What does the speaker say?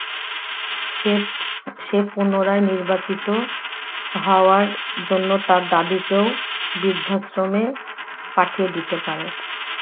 সে পূণরায় নির্বাচিত হওয়ার জন্য তার দাদীকে ও বৃদ্ধাশ্রমে পাঠিয়ে দিতে পারে।